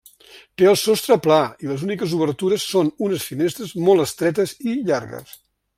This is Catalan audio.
Té el sostre pla i les úniques obertures són unes finestres molt estretes i llargues.